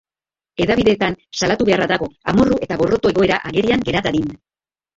Hedabideetan salatu beharra dago, amorru eta gorroto egoera agerian gera dadin.